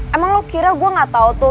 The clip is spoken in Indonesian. emang lu kira gue gak tau tuh